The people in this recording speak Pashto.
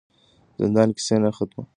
زندان کیسې نه ختموي.